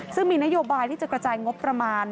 ซึ่งมีนโยบายที่จะกระจายงบประมาณ